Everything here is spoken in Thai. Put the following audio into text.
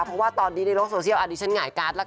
เพราะว่าตอนนี้ในโลกโซเชียลอันนี้ฉันหงายการ์ดละค่ะ